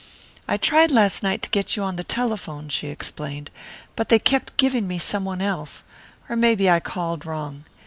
"I tried last night to get you on the telephone," she explained, "but they kept giving me someone else, or maybe I called wrong.